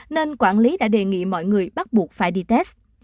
nên quản lý đã đề nghị mọi người bắt buộc phải đi test